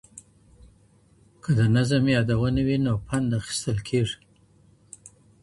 که د نظم یادونه وي نو پند اخیستل کېږي.